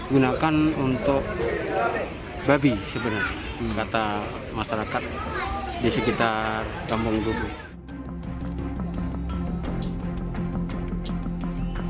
gunakan untuk babi sebenarnya mengerat masyarakat di sekitaran kampung lubuz